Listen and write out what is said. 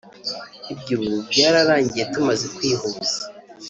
Ibyo ubu byararangiye tumaze kwihuza